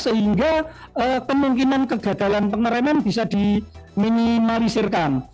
sehingga kemungkinan kegagalan pengereman bisa diminimalisirkan